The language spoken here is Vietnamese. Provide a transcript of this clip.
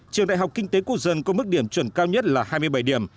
trường đại học kinh tế quốc dân có mức điểm chuẩn cao nhất là hai mươi bảy điểm